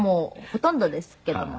ほとんどですけども。